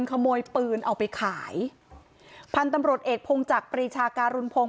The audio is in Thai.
ขโมยปืนเอาไปขายพันธุ์ตำรวจเอกพงจักรปรีชาการุณพงศ